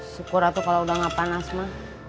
syukur aku kalau udah gak panas ma